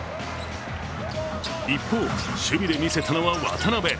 一方、守備で見せたのは渡邊。